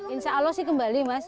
insya allah sih kembali mas